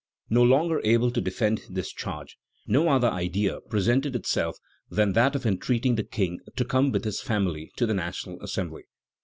No longer able to defend this charge, no other idea presented itself than that of entreating the King to come with his family to the National Assembly....